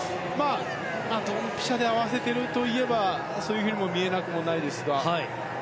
ドンピシャで合わせているといえばそういうふうにも見えなくないですが。